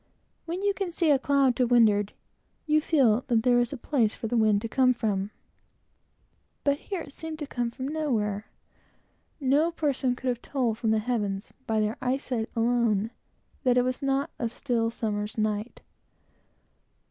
When you can see a cloud to windward, you feel that there is a place for the wind to come from; but here it seemed to come from nowhere. No person could have told, from the heavens, by their eyesight alone, that it was not a still summer's night.